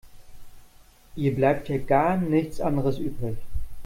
Ihr bleibt ja gar nichts anderes übrig.